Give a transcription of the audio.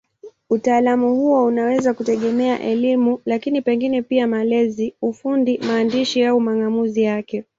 Utaalamu huo unaweza kutegemea elimu, lakini pengine pia malezi, ufundi, maandishi au mang'amuzi yake.